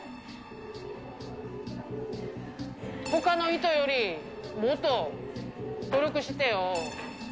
ほかの人よりもっと努力してよ。